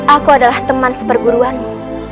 aku adalah teman seperguruanmu